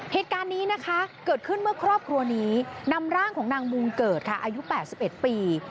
เหตุการณ์นี้นะคะเกิดขึ้นเมื่อครอบครัวนี้นำร่างของนางบูงเกิดค่ะอายุ๘๑ปี